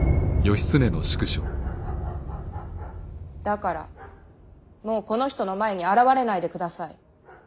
だからもうこの人の前に現れないでください。